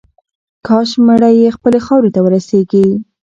کاش مړی یې خپلې خاورې ته ورسیږي.